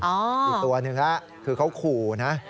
อีกตัวหนึ่งคือเขาขู่นะ